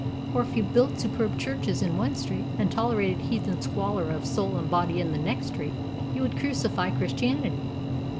For if you built superb churches in one street, and tolerated heathen squalor of soul and body in the next street, you would crucify Christianity.